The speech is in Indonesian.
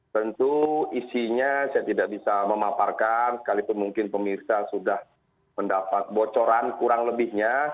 tentu isinya saya tidak bisa memaparkan sekalipun mungkin pemirsa sudah mendapat bocoran kurang lebihnya